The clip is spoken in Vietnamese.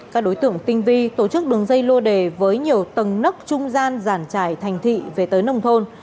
các đối tượng tinh vi tổ chức đường dây lô đề với nhiều tầng nấc trung gian giản trải thành thị về tới nông thôn